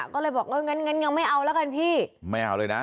ก็เลยบอกงั้นยังไม่เอาแล้วกัน